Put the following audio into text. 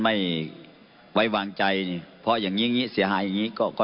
ไม่ไว้วางใจนี่เพราะอย่างงี้เสียหาอย่างงี้ก็ก็